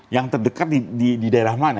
yang terdekat di daerah mana